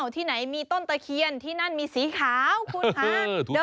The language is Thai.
ที่ไหนมีต้นตะเคียนที่นั่นมีสีขาวคุณคะ